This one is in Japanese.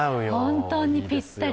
本当にぴったり。